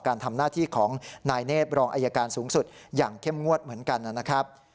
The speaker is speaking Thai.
การทำหน้าที่ของนายเนธรองอายการสูงสุดอย่างเข้มงวดเหมือนกันนะครับ